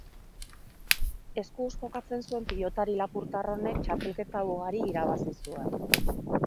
Eskuz jokatzen zuen pilotari lapurtar honek txapelketa ugari irabazi zuen.